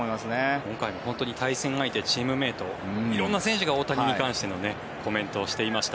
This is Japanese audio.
今回も本当に対戦相手チームメート色んな選手が大谷に関してのコメントをしていました。